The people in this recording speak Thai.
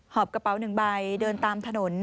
อบกระเป๋าหนึ่งใบเดินตามถนน